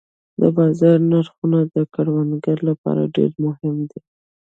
د بازار نرخونه د کروندګر لپاره ډېر مهم دي.